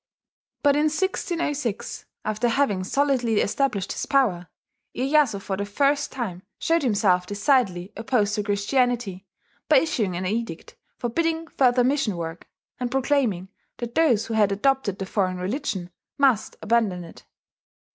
But in 1606, after having solidly established his power, Iyeyasu for the first time showed himself decidedly opposed to Christianity by issuing an edict forbidding further mission work, and proclaiming that those who had adopted the foreign religion must abandon it.